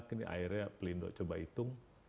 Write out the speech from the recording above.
ini akhirnya pelindo coba hitung